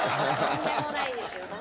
とんでもないです。